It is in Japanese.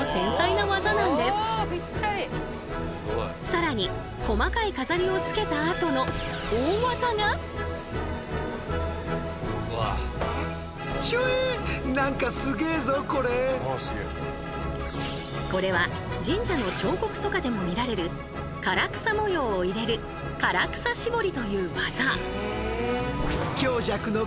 更に細かい飾りをつけたあとのこれは神社の彫刻とかでも見られる唐草模様を入れる唐草絞りという技。